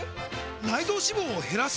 内臓脂肪を減らす！？